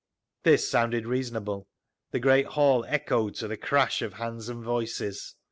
This sounded reasonable—the great hall echoed to the crash of hands and voices.